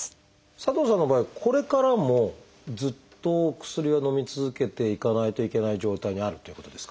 佐藤さんの場合これからもずっと薬をのみ続けていかないといけない状態にあるっていうことですか？